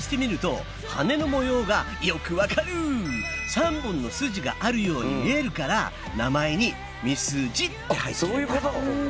３本のスジがあるように見えるから名前に「ミスジ」って入ってるんだ。